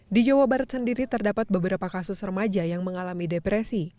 di jawa barat sendiri terdapat beberapa kasus remaja yang mengalami depresi